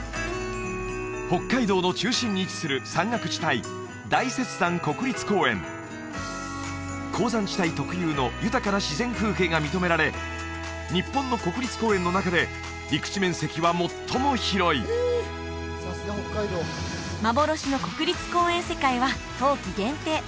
北海道の中心に位置する山岳地帯高山地帯特有の豊かな自然風景が認められ日本の国立公園の中で陸地面積は最も広い幻の国立公園世界は冬季限定